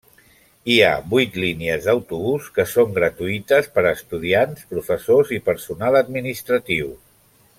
Hi ha vuit línies d'autobús que són gratuïtes per a estudiants, professors i personal administratiu.